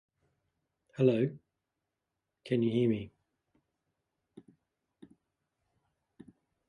The "Descriptio" is known from four manuscripts.